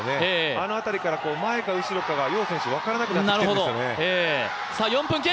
あの辺りから前か後ろかが楊選手、分からなくなってきてるんですよね。